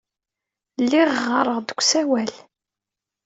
Lliɣ ɣɣareɣ-d deg usawal.